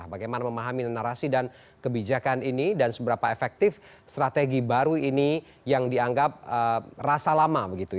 bagaimana memahami narasi dan kebijakan ini dan seberapa efektif strategi baru ini yang dianggap rasa lama